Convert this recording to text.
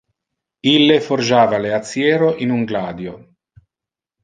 Ille forgiava le aciero in un gladio.